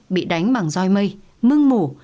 bị đánh bằng doi mây mưng mủ